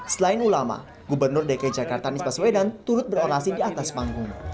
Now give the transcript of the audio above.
selain ulama gubernur dki jakarta nisbah swedan turut berorasi di atas panggung